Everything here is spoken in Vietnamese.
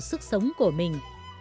sức sống của mình